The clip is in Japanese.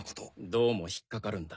どうも引っかかるんだ。